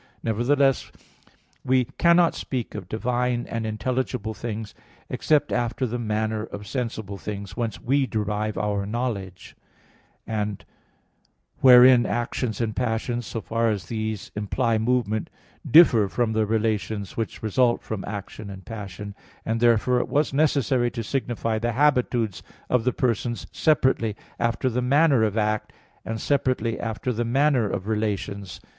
Nevertheless we cannot speak of divine and intelligible things except after the manner of sensible things, whence we derive our knowledge, and wherein actions and passions, so far as these imply movement, differ from the relations which result from action and passion, and therefore it was necessary to signify the habitudes of the persons separately after the manner of act, and separately after the manner of relations.